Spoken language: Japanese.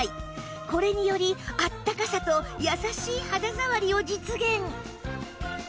これによりあったかさと優しい肌触りを実現